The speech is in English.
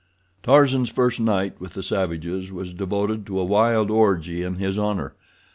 Tarzan's first night with the savages was devoted to a wild orgy in his honor.